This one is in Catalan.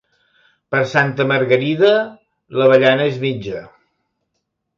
Per Santa Margarida l'avellana és mitja.